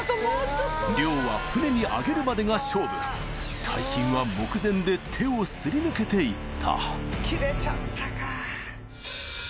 漁は船に上げるまでが勝負大金は目前で手を擦り抜けていった切れちゃったか。